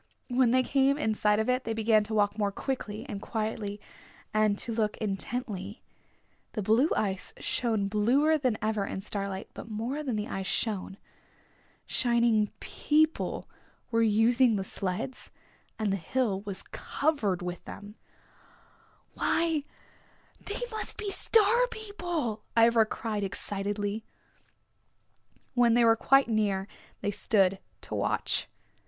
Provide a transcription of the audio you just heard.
When they came in sight of it they began to walk more quickly and quietly and to look intently. The blue ice shone bluer than ever in starlight, but more than the ice shone. Shining people were using the sleds and the hill was covered with them. "Why, they must be Star People," Ivra cried excitedly. When they were quite near they stood to watch.